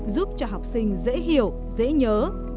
giúp cho học sinh dễ hiểu dễ nhớ